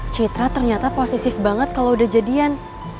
citra ternyata positif banget kalau udah jadian